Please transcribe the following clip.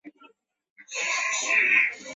专员公署驻眉山县。